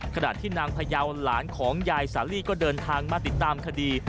ขณะที่นางพยาวหลานของยายสาลีก็เดินทางมาติดตามคดี